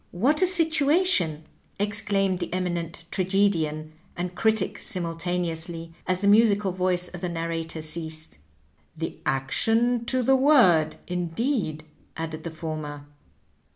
"*' What a situation I " exclaimed the Eminent Tragedian and the Critio simnltaneoQslj, as the musical voice of the narrator ceased. "* The action to the word,' indeed," added the former.